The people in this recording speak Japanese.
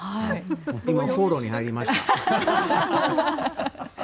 今、フォローに入りました。